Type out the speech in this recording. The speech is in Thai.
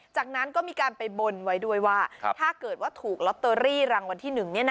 จากนั้นก็มีการไปบนไว้ด้วยว่าถ้าเกิดว่าถูกลอตเตอรี่รางวัลที่๑